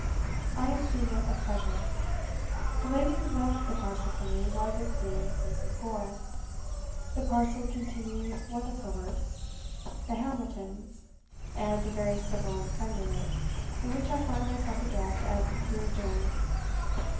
I esteem it a treasure. The lady who left the parcel for me was, it seems, Mrs. Gore. The parcel contained one of her works, 'The Hamiltons,' and a very civil and friendly note, in which I find myself addressed as 'Dear Jane.'